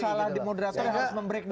itu salah di moderator yang harus memberikan